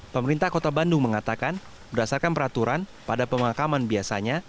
pemerintah kota bandung mengatakan berdasarkan peraturan pada pemakaman biasanya